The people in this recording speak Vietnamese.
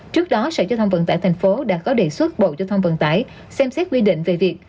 trước đó sở giao thông vận tải thành phố đã có đề xuất bộ giao thông vận tải xem xét quy định về việc